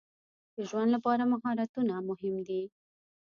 د ژوند لپاره مهارتونه مهم دي.